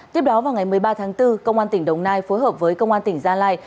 tiếp đó vào ngày một mươi ba tháng bốn công an tỉnh đồng nai phối hợp với công an tỉnh gia lai